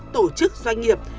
tổ chức doanh nghiệp